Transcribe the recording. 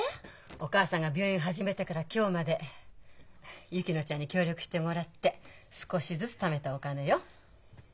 お母さんが病院始めてから今日まで薫乃ちゃんに協力してもらって少しずつためたお金よ。